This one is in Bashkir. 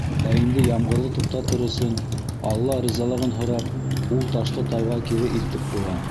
Ә инде ямғырҙы туҡтатыр өсөн, Алла ризалығын һорап, ул ташты тауға кире илтеп ҡуя.